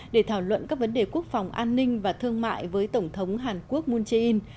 để thảo luận các vấn đề quốc phòng an ninh và thương mại với tổng thống hàn quốc moon jae in